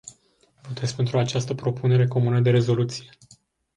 Votez pentru această propunere comună de rezoluție.